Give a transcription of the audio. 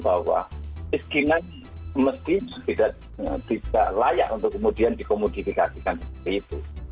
bahwa kemiskinan mestinya tidak layak untuk kemudian dikomodifikasikan seperti itu